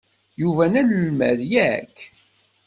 Yuba d anelmad, yak?